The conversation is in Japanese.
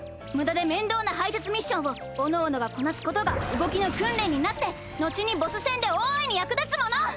無駄で面倒な配達ミッションをおのおのがこなすことが動きの訓練になって後にボス戦で大いに役立つもの！